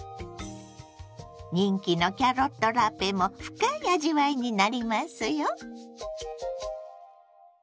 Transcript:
人気のキャロットラペも深い味わいになりますよ。